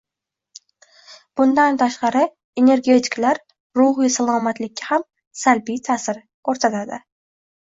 Bundan tashqari, energetiklar ruhiy salomatlikka ham salbiy taʼsir koʻrsatadi.